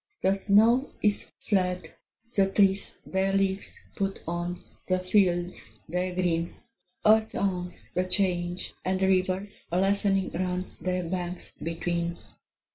The snow is fled: the trees their leaves put on, The fields their green: Earth owns the change, and rivers lessening run. Their banks between.